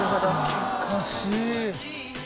懐かしい。